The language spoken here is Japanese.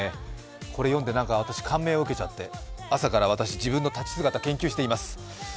これ読んで、私、感銘を受けちゃって朝から私、自分の立ち姿、研究しています。